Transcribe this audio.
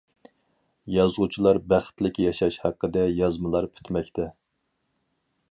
يازغۇچىلار بەختلىك ياشاش ھەققىدە يازمىلار پۈتمەكتە.